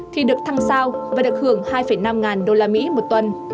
thì được thăng sao và được hưởng hai năm ngàn đô la mỹ một tuần